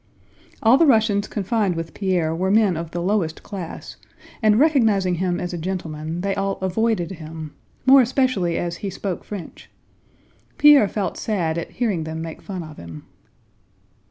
All the Russians confined with Pierre were men of the lowest class and, recognizing him as a gentleman, they all avoided him, more especially as he spoke French. Pierre felt sad at hearing them making fun of him.